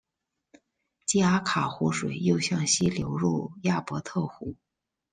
基阿卡湖水又向西流入亚伯特湖。